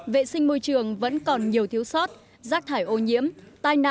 vệ sinh môi trường vẫn còn nhiều thiếu sót rác thải ô nhiễm tai nạn ảnh hưởng